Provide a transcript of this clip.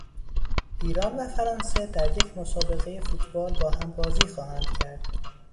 ایران و فرانسه در یک مسابقهی فوتبال با هم بازی خواهند کرد.